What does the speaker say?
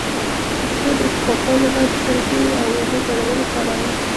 د پښو د پاکوالي لپاره د سرکې او اوبو ګډول وکاروئ